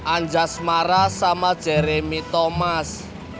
anjas mara sama jeremy thomas